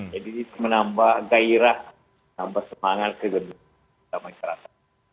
jadi itu menambah gairah menambah semangat kegenderaan masyarakat